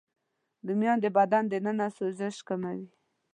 رومیان د بدن دننه سوزش کموي